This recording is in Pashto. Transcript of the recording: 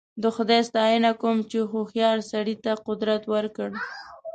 د خدای ستاینه کوم چې هوښیار سړي ته قدرت ورکړ.